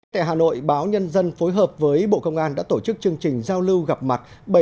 tại hà nội báo nhân dân phối hợp với bộ công an đã tổ chức chương trình giao lưu gặp mặt